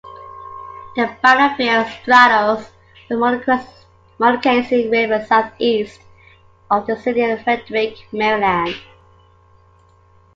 The battlefield straddles the Monocacy River southeast of the city of Frederick, Maryland.